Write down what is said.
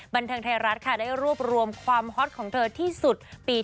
บันเทิงไทยรัฐค่ะได้รวบรวมความฮอตของเธอที่สุดปี๒๕